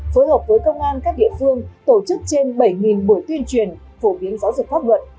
phối hợp với công an các địa phương tổ chức trên bảy buổi tuyên truyền phổ biến giáo dục pháp luật